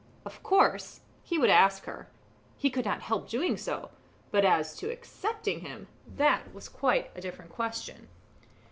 Of course, he would ask her he could not help doing so; but as to accepting him that was quite a different question.